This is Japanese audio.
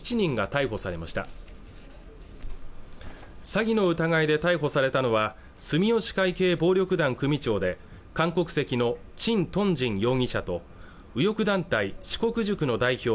詐欺の疑いで逮捕されたのは住吉会系暴力団組長で韓国籍の陳東珍容疑者と右翼団体志国塾の代表